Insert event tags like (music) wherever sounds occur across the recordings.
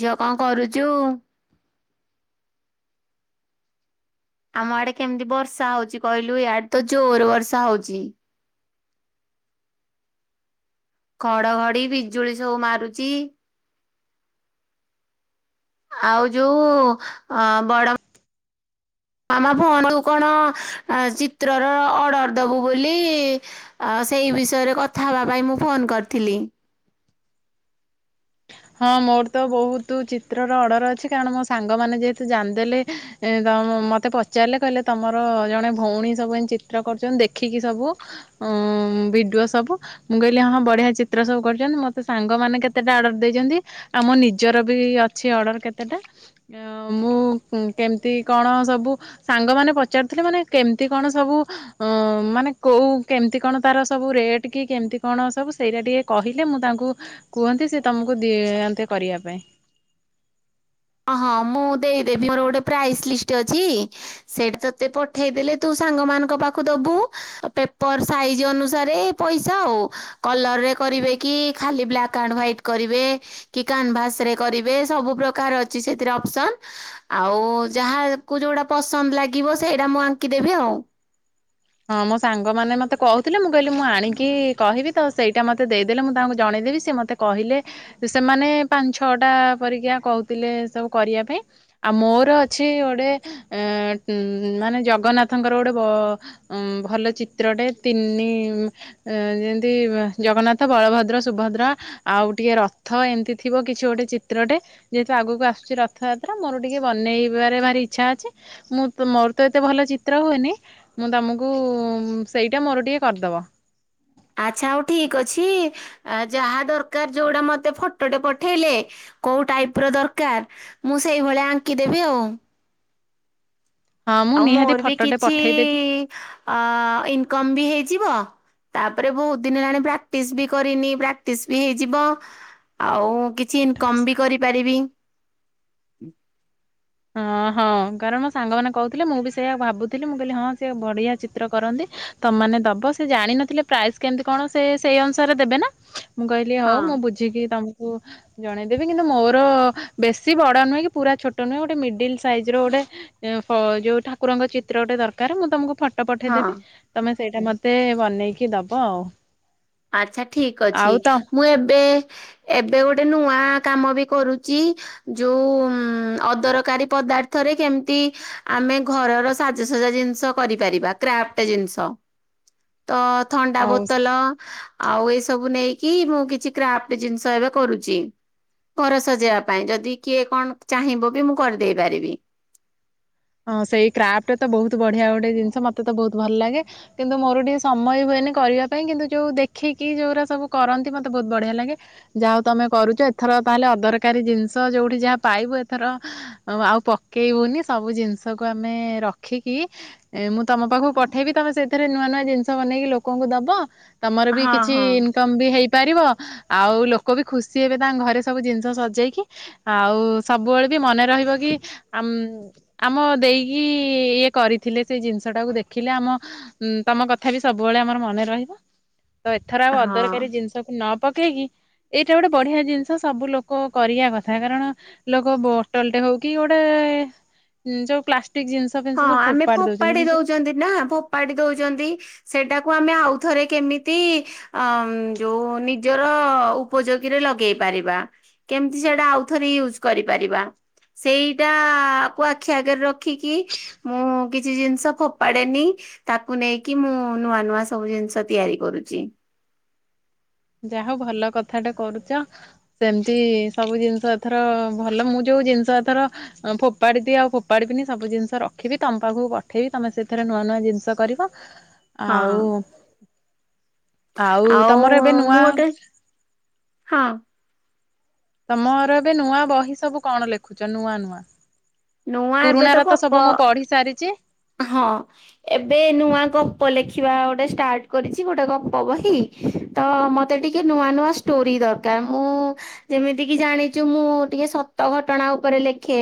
ଝିଅ କଣ କରୁଛୁ। ଆମ ଆଡେ କେମିତି ବର୍ଷା ହଉଛି କହିଲୁ ଇଆଡେ ତ ଜୋର ବର୍ଷା ହଉଛି। ଖଡଘଡି ବିଜୁଳି ସବୁ ମାରୁଛି। ଆଉ ଯୋଉ ବଡ ମାମା ଫୁ କଣ ଚିତ୍ରର ଅର୍ଡର ଦବୁ ବୋଲି ସେଇ ବିଷୟରେ କଥା ହେବା ପାଇଁ ମୁଁ ଫୋନ କରିଥିଲି (unintelligible) ହଁ ମୋର ତ ବହୁତ ଚିତ୍ରର ଅର୍ଡର ଅଛି କାରଣ ମୋ ସାଙ୍ଗମାନେ ଯେହେତୁ ଜାଣିଦେଲେ ତ ମତେ ପଚାରିଲେ କହିଲେ ତମର ଜଣେ ଭଉଣୀ ସବୁ ଚିତ୍ର କରୁଛନ୍ତି ଦେଖିକି ସବୁ ଭିଡିଓ ସବୁ ମୁଁ କହିଲି ହଁ ବଢିଆ ଚିତ୍ର ସବୁ କରୁଛନ୍ତି ମୋତେ ସାଙ୍ଗମାନେ କେତେଟା ଅର୍ଡର ଆମ ନିଜର ବି ଅଛି ଅର୍ଡ଼ର କେତେଟା ମୁ କେମତି କଣ ସବୁ ସାଙ୍ଗ ମ ପଚାରୁଥିଲେ ମାନେ କେମତି କଣ ସବୁ ମାନେ କଉ କେମତି କଣ ତାର ସବୁ ରେଟ୍ କି କେମତି କଣ ସବୁ ସେଇଟା ଟିକେ କହିଲେ ମୁଁ ତାଙ୍କୁ କୁହ। ତମକୁ ଦିନ୍ତି କରିବା ପାଇଁ ହ ହଁ ମୁଁ ଦେଇଦେବି ମୋର ଗୋଟେ ପ୍ରାଇସ୍ ଲିଷ୍ଟ ଅଛି ସେଇଠି ତୋତେ ପଠେଇଦେଲେ ତୁ ସାଙ୍ଗମାନଙ୍କ ପାଖ ଦବୁ ପେପର ସାଇଜ ଅନୁସାରେ ପଇସା ଆଉ କଲରରେ କରିବେ କି ଖାଲି ବ୍ଲାକ୍ ଆଣ୍ଡ ହ୍ାଇଟ କରିବେ କି କାନଭାସ ରେ କରିବେ ସବୁ ପ୍ରକାର ଅ ଯ ଆ ହଁ ମୋ ସାଙ୍ଗମାନୋନ ମତେ କହୁଥିଲେ ମୁଁ କହିଲି ମୁଁ ଆଣିକି କହିବି ତ ସେଇଟା ମତେ ଦେଇଦେଲେ ମୁଁ ତାଙ୍କୁ ଜଣେଇଦେବି ସେି ମତେ କହିଲେ ସେମାନେ ପାଞ୍ଚ ଛଅଟା ପରିକା କହୁଥିଲେ ସବୁ କରିବା ପାଇଁ ଆଉ ମୋର ଅଛି ଗୋଟେ ମାନେ ଜଗନ୍ନାଥଙ୍କର ଗୋଟେ ଭଲ ଚିତ୍ରଟେ ତିନି ଯେମିତି ଜଗନ୍ନାଥ ବଳଭଦ୍ର ସୁଭଦ୍ର ଆଉ ଟିକିଏ ରଥ ଏମିତି ଥିବ କିଛି ଗୋଟଏ ଚିତ୍ରଟେ ଯେହେତୁ ଆଗକୁ ଆସୁଛି ରଥଯାତ୍ରା ମୋର ଟିକିେ ବନେଇବାରେ ଭାରି ଇଚ୍ଛା ଅଛି ମୁଁ ମୋର ତ ଏତେ ଭଲ ଚିତ୍ର ହୁଏନି ମୁଁ ତମକୁ ସେଇଟା ମୋର ଟିକେ କରିଦବ। ଆଚ୍ଛା ହଉ ଠିକ ଅଛି ଯାହା ଦରକାର ଯୋଉଟା ମତେ ଫଟୋଟେ ପଠେଇଲେ କୋଉ ଟାଇପ ର ଦରକାର ମୁଁ ସେଇଭଳିଆ ଆଙ୍କିଦେବି ଆଉ। ହଁ ମୁଁ ଆଉ ନିହାତି ମୋର ବି ଫଟୋଟେ କିଛି ପଠେଇଦେବି। ବି ହେଇଯିବ ତାପରେ ବହୁତ ଦିନ ହେଲାଣି ପ୍ରାଟିସ ବି କରିନି ପ୍ରାଟିସ ବି ହେଇଯିବ ଆଉ। କି ଚ କମ ବି କରିପାରିବି। ହୁଁ। ହଁ ହଁ କାରଣ ମୋ ସାଙ୍ଗମାନୋନ କହୁଥିଲେ ମୁଁ ବି ସେଇଆ ଭାବୁଥିଲି ମୁଁ କହିଲି ହଁ ସେ ବଢିଆ ଚିତ୍ର କରନ୍ତି ତମାନ ଦବ ସେ ଜାଣିିନଥିଲେ ପ୍ରାଇସ୍ କେମିତି କଣ ସେ ସେଇ ଅନୁସାରେ ଦେବେ ନା ମୁଁ କହିଲି ହଁ ହଉ ମୁଁ ବୁଝିକି ତମକୁ ଓ ଜଣେଇଦେବି କିନ୍ତୁ ମୋର ବେଶୀ ବଡ ନୁହେଁ କି ପୁରା ଛୋଟ ନୁହେଁ। ମିଡିଲ ସାଇଜ ର ଗୋଟେ ଏ ଯୋଉ ଠାକୁରଙ୍କ ଚିତ୍ରଟେ ଦରକାର ମୁଁ ତମକୁ ପ ହଁ ପଠେଇଦବି ତମେ ସେଇଟା ମତେ ବନେଇକି ଦବ ଆଉ। ଆଚଛା ଠିକ ଅଛି ଆଉ ତ ମୁଁ ଏବେ ଏବେ ଗୋଟେ ନୂଆ କାମ ବି କରୁଛି ଯୋଉ ଅଦରକାରୀ ପଦାର୍ଥରେ କେମିତି ଆମେ ଘରର ସାଜସଜା ଜିନିଷ କରିପାରିବା, କ୍ରା୍ଫ୍ଟ ଜିନିଷ। ତ ଥଣ୍ଡା ହଉ ବୋତଲ ଆଉ ଏ ସବୁ ନେଇକି ମୁଁ କିଛି କ୍ରାଫ୍ଟ ଜିନିଷ ଏବେ କରୁଛି ଘର ସଜେଇବା ପାଇଁ ଯଦି କିଏ କଣ ଚାହିଁବ ବି ମୁଁ କରିଦେଇ ପାରିବି। ହଁ ସେଇ କ୍ରାଫ୍ଟ ତ ବହୁତ ବଢିଆ ଗୋଟେ ଜିନିଷ ମତେ ତ ବହୁତ ଭଲ ଲାଗେ, କିନ୍ତୁ ମୋର ଟିକେ ସମୟ ହୁଏନି କରିବା ପାଇଁ କିନ୍ତୁ ଯୋଉ ଦେଖିକି ଯୋଉାରା ସବୁ କରନ୍ତି ମତେ ବହୁତ ବଢିଆ ଲାଗେ। ଯାହା ହଉ ତମେ କରୁଛ ଏଥର ତାହେଲେ ଅଦରକାରୀ ଜିନିଷ ଯୋଉଠି ଯାହା ପାଇବୁ ଏଥର ଆଉ ପକେଇବୁନି ସବୁ ଜିନିଷ (unintelligible) ଷକୁୁ ଆମେ ରଖିକି ମୁଁ ତମ ପାଖକୁ ପଠେଇବି ତମେ ସେଥିରେ ନୂଆ ନୂଆ ଜିନିଷ ବନେଇକି ଲୋକଙ୍କୁ ଦବ। ତମର ବି ହଁ କିଛି ହଁ ଇନକମ ବି ହେଇ ପାରିବ ଆଉ ଲୋକ ବି ଖୁସି ହେବେ ତାଙ୍କ ଘରେ ସବୁ ଜିନିଷ ସଜେଇକି ଆଉ ସବୁବେଳେ ବି ମନେ ରହିବ କି ଆ ଆମ ଦେଇକି ଇଏ କରିଥିଲେ ସେଇ ଜିନିଷ ଟାକୁ ଦେଖିଲେ ଆମ ତମ କଥା ବି ସବୁବେଳେ ଆମର ମନେ ରହିବ। ତ ଏଥର ଆଉ ହଁ। ଅଦରକାରୀ ଜିନିଷକୁ ନ ପକେଇକି ଏଇଟା ଗୋଟେ ବଢିଆ ଜିନିଷ ସବୁ ଲୋକ କରିବା କଥା କାରଣ ଲୋକ ବୋଟଲଟେ ହଉ କିି ଗୋଟେ ଉଁ ଯୋଉ ପ୍ଲା ହଁ ଆମେ ଫୋପାଡି ଦଉଛନ୍ତି ନା ଫୋପାଡି ଦଉଛନ୍ତି ସେଟା ତାକୁ ଆମେ ଆଉଥରେ କେମିତି ଅ ଯୋଉ ନିଜର ଉପଯୋଗୀରେ ଲଗେଇ ପାରିବା କେମିତି ସେଇଟା ଆଉଥରେ ୟୁଜ କରିପାରିବା ସେଇଟାକୁ ଆଖି ଆଗରେ ରଖିକି ମୁଁ କିଛି ଜିନିଷ ଫୋପାଡେନି ତାକୁ ନେଇକି ମୁଁ ନୂଆ ନୂଆ ସବୁ ଜିନିଷ ତିଆରି କରୁଛି। ଯାହା ହଉ ଭଲ କଥା ଟା କରୁଛ ସେମିତି ସବୁ ଜିନିଷ ଏଥର ଭଲ ମୁଁ ଯୋଉ ଜିନିଷ ଏଥର ଫୋପାଡି ଦିଏ ଆଉ ଫୋପାଡି ବିନି ସବୁ ଜିନିଷ ରଖିବି ତମ ପାଖକୁ ପଠେଇବି ତମେ ସେଥିରେ ନୂଆ ନୂଆ ଜିନିଷ କରିବ। ହଁ। ଆଉ ଆଉ ତମର ଉ ଏବେ ନୂଆ ମୁଁ ଗୋଟେ, ହଁ। ତମର ଏବେ ନୂଆ ବହି ସବୁ କଣ ଲେଖୁଛ, ନୂଆ ନୂଆ? ନୂଆ ଏବେ ପୁରୁଣା ର ତ ଗପ ସବୁ ମୁଁ ପଢି ସାରିଚି ହଁ ଏବେ ନୂଆ ଗପ ଲେଖିବା ଗୋଟେ ଷ୍ଟାର୍ଟ କରିଛି ଗୋଟେ ଗପ ବହି ତ ମତେ ଟିକେ ନୂଆ ନୂଆ ଷ୍ଟୋରି ଦରକାର। ମୁଁ ଯେମିତି କିି ଜାଣିଚୁ ମୁଁ ଟିକେ ସତ ଘଟଣା ଉପରେ ଲେଖେ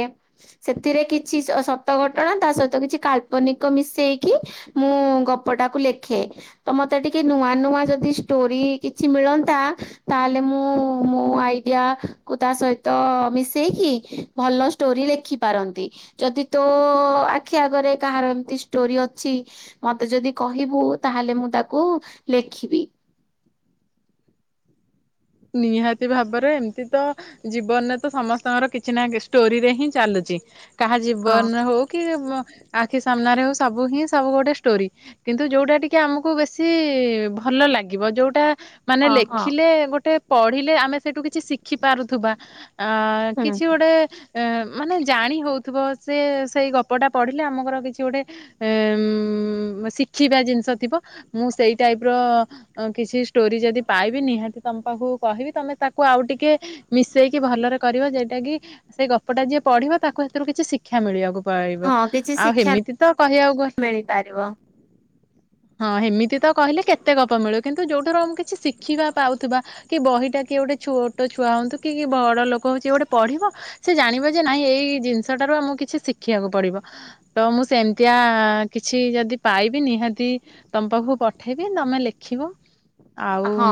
ସେଥିରେ କିଛି ସତ ଘଟଣା ତା ସହିତ କିଛି କାଳ୍ପନିକ ମିଶେଇକି ମୁଁ ଗପଟାକୁ ଲେଖେ। ତ ମତେ ଟିକେ ନୂଆ ନୂଆ ଯଦି ଷ୍ଟୋରି କିଛି ମିଳନ୍ତା, ତାହେଲେ ମୁଁ ମୋ ଆଇଡିଆକୁ ତା ସହିତ ମିଶେଇକି ଭଲ ଷ୍ଟୋରି ଲେଖି ପାରନ୍ତି। ଯଦି ତୋ ଆଖି ଆଗରେ କାହାର ଏମତି ଷ୍ଟୋରି ଅଛି, ମତେ ଯଦି କହିବୁ ତାହେଲେ ମୁଁ ତାକୁ ଲେଖିବି। ନିହାତି ଭାବରେ ଏମିତି ତ ଜୀବନରେ ତ ସମସ୍ତଙ୍କର କିଛି ନା କିଛି ଷ୍ଟୋରିରେ ହିଁ ଚାଲୁଛି। କାହା ହଁ ଜୀବନରେ ହଉ କି କା ଆଖି ସାମ୍ନାରେ ହଉ ସବୁ ହିଁ ସବୁ ଗୋଟେ ଷ୍ଟୋରି। କିନ୍ତୁ ଯୋଉଟା ଟିକେ ଆମକୁ ବେଶି ଭଲ ଲାଗିବ ଯୋଉଟା ମାନେ ହଁ ହଁ ଲେଖିଲେ ଗୋଟେ ପଢିଲେ ଆମେ ସେଇଠୁ କିଛି ଶିଖି ପାରୁଥିବା। ଅ ହୁଁ କିଛି ଗୋଟେ ମାନେ ଜାଣି ହଉଥିବ ସେ ସେଇ ଗପଟା ପଢ଼ିଲେ ଆମର କିଛି ଗୋଟେ ଏ ଉଁ ଶିଖିବା ଜିନିଷ ଥିବ ମୁଁ ସେଇ ଟାଇପର କିଛି ଷ୍ଟୋରି ଯଦି ପାଇବି ନିହାତି ତମ ପାଖକୁ କହିବି ତମେ ତାକୁ ଆଉ ଟିକେ ମିଶେଇକି ଭଲରେ କରିବ ଯୋଉଟା କି ସେ ଗପଟା ଯିଏ ପଢିବ ତାକୁ ସେଥିରୁ କିଛି ଶିକ୍ଷା ମିଳିବାକୁ ପାଇବ। ହଁ କିଛି ଆଉ ଶିକ୍ଷା ହେମିତି ତ କହିବାକୁ ଗଲେ ମିଳିପାରିବ। ହଁ ହେମିତି ତ କହିଲେ କେତେ ଗପ ମିଳିବ, କିନ୍ତୁ ଯୋଉଥରୁ ଆମେ କିଛି ଶିଖିବା ପାଉଥିବା କି ବହିଟା କିଏ ଗୋଟେ ଛୋଟ ଛୁଆ ହୁଅନ୍ତୁ କି କି ବଡ ଲୋକ ହଉ ଯିଏ ଗୋଟେ ପଢିବ ସେ ଜାଣିବ ଯେ ନାଇଁ ଏଇ ଏଇ ଜିନିଷଟାରୁ ଆମକୁ କିଛି ଶିଖିବାକୁ ପଡିବ। ତ ମୁଁ ସେମିତିଆ କିଛି ଯଦି ପାଇବି ନିହାତି ତମ ପାଖକୁ ପଠେଇବି ତମେ ଲେଖିବ। ହଁ ଆଉ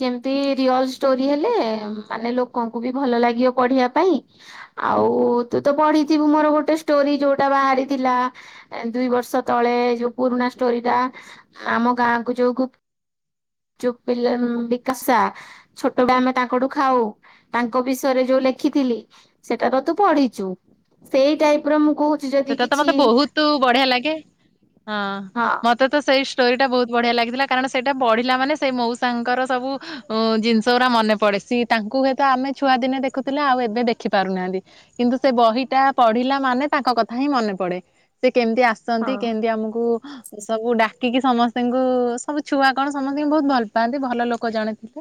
ସେମ ତି ରିଅଲ ଷ୍ଟୋରି ହେଲେ ମାନେ ଲୋକଙ୍କୁ ବି ଭଲ ଲାଗିବ ପଢିବା ପାଇଁ ଆଉ। ତୁ ତ ପଢିଥିବୁ ମୋର ଗୋଟେ ଷ୍ଟୋରି ଯୋଉଟା ବାହାରିଥିଲା ଦୁଇ ବର୍ଷ ତଳେ ଯୋଉ ପୁରୁଣା ଷ୍ଟୋରିଟା ଆମ ଗାଁ କୁ ଯୋଉ ଗୁପ୍ ଚୁପ୍ ପିଲା ବିକାସା ଛୋଟବେଳେ ଆମେ ତାଙ୍କଠୁ ଖାଉ ତାଙ୍କ ବିଷୟରେ ଯୋଉ ଲେଖିଥିଲି। ସେଟାର ତୁ ପଢିଛୁ ସେଇ ଟାଇପ ର ମୁଁ କହୁ ସେଟା ତ ମତେ ବହୁତ ବଢିଆ ଲାଗେ। ହଁ ମତେ ତ ସେଇ ଷ୍ଟୋରି ଟା ବହୁତ ବଢିଆ ଲାଗିଥିଲା। କାରଣ ସେଇଟା ପଢିଲା ମାନେ ସେ ମଉସାଙ୍କର ସବୁ ଜିନିଷ ଗୁରା ମନେ ପଡେ। ସି ତାଙ୍କୁ ହୁଏତ ଆମେ ଛୁଆ ଦିନେ ଦେଖୁଥିଲେ ଆଉ ଏବେ ଦେଖି ପାରୁନାହାଁନ୍ତି। କିନ୍ତୁ ସେ ବହିଟା ପଢିଲା ମାନେ ତାଙ୍କ କଥା କଥା ହିଁ ମନେ ପଡେ। ସେ କେମିତି ହଁ ଆସନ୍ତି କେମିତି ଆମକୁ ସବୁ ଡା ଡିକି ସମସ୍ତଙ୍କୁ ସବୁ ଛୁଆ କଣ ସମସ୍ତଙ୍କୁ ବହୁତ ଭଲ ପାଆନ୍ତି। ଭଲ ଲୋକ ଜଣେ ଥିଲେ।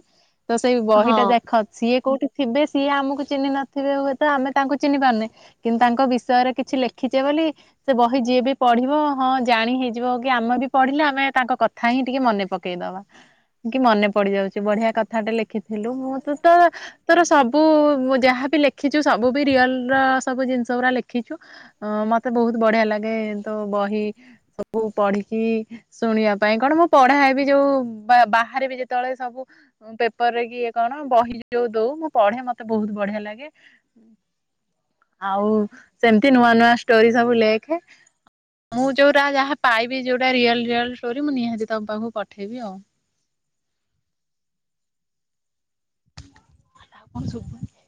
ତ ସେଇ ବହିଟା ହଁ। ଦେଖ ସିଏ କୋଉଠି ଥିବେ ସିଏ ଆମକୁ ଚିହ୍ନି ନଥିବେ ହୁଏତ ଆମେ ତାଙ୍କୁ ଚିହ୍ନି ପାରୁନେ କିନ୍ତୁ ତାଙ୍କ ବିଷୟରେ କିଛି ଲେଖ ଲେଖିଛେ ବୋଲି ସେ ବହି ଯିଏ ବି ପଢିବ ହଁ ଜାଣି ହେଇଯିବ କି ଆମେ ବି ପଢିଲେ ଆମେ ତାଙ୍କ କଥା ହିଁ ଟିକେ ମନେ ପକେଇ ଦବା। କି ମନେ ପଡି ଯାଉଛି ବଢିଆ କଥାଟେ ଲେଖିଥିଲୁ ମୁଁ ତ ତୋର ତୋର ସବୁ ଯାହାବି ଲେଖିଛୁ ସବୁ ବି ରିଅଲ ର ସବୁ ଜିନିଷ ଗୁରା ଲେଖିଛୁ। ଅ ମତେ ବହୁତ ବଢିଆ ଲାଗେ ତୋ ବହି ସବୁ ପଢିକି ଶୁଣିବା ପାଇଁ କଣ ମୁଁ ପଢାଏ ବି ଯୋଉ ବା ବାହାରେ ବି ଯେତେବେଳେ ସବୁ ପେପରରେ କି ଇଏ କଣ ବହି ଯୋଉ ଦଉ ମୁଁ ପଢେ ମତେ ବହୁତ ବଢିଆ ଲାଗେ। ଆଉ ସେମିତି ନୂଆ ନୂଆ ଷ୍ଟୋରୀ ସବୁ ଲେଖେ। ମୁଁ ଯୋଉରା ଯାହା ପାଇବି ଯୋଉରା ରିଅଲ ରିଅଲ ଷ୍ଟୋରୀ ମୁଁ ନିହାତି ତମ ପାଖକୁ ପଠେଇବି ଆଉ। କଣ ଶୁଭୁନି?